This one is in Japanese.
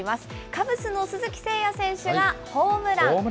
カブスの鈴木誠也選手が、ホームラン。